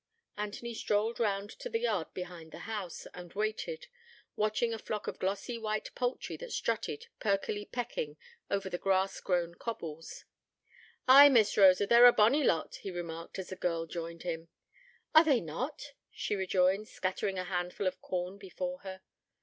Anthony strolled round to the yard behind the house, and waited, watching a flock of glossy white poultry that strutted, perkily pecking, over the grass grown cobbles. 'Ay, Miss Rosa, they're a bonny lot,' he remarked, as the girl joined him. 'Are they not?' she rejoined, scattering a handful of corn before her.